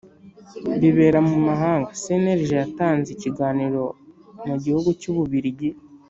Bibera mu mahanga cnlg yatanze ikiganiro mu gihugu cy ububiligi